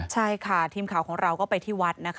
ใช่ค่ะทีมข่าวของเราก็ไปที่วัดนะคะ